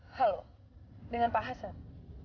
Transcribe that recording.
halo dengan pak hasan